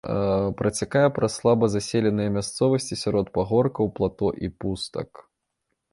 Працякае праз слаба заселеныя мясцовасці сярод пагоркаў, плато і пустак.